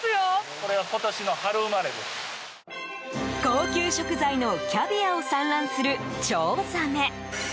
高級食材のキャビアを産卵するチョウザメ。